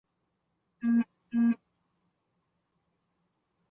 后一直居住在莫斯科。